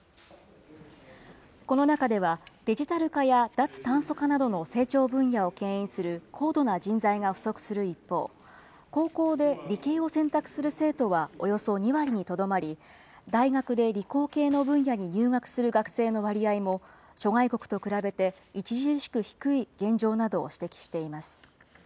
この中では、デジタル化や脱炭素化などの成長分野をけん引する高度な人材が不足する一方、高校で理系を選択する生徒はおよそ２割にとどまり、大学で理工系の分野に入学する学生の割合も、諸外国と比べて著しく低い現状などを指摘しています。